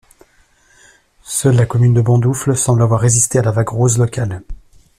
Seule la commune de Bondoufle semble avoir résisté à la vague rose locale.